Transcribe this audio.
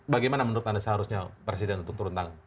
bagaimana menurut anda seharusnya presiden untuk turun tangan